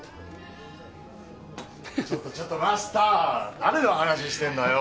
ちょっとちょっとマスター誰の話してんのよ